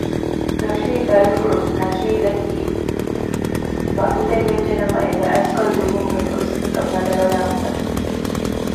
ދޮށީ ދަރިފުޅު ނަޝީދަކީ ވަގުތެއްވެއްޖެ ނަމަ އެ ބައިސްކަލް ދުއްވުމުގެ ފުރުސަތަކަށް ބަލަބަލާ ހުންނަ ކުއްޖެއް